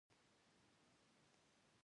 مور راته ويلي وو چې جنت ډېر ښکلى ځاى دى.